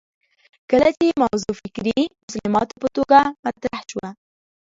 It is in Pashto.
کله چې موضوع فکري مسلماتو په توګه مطرح شوه